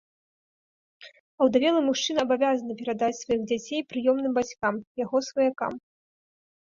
Аўдавелы мужчына абавязаны перадаць сваіх дзяцей прыёмным бацькам, яго сваякам.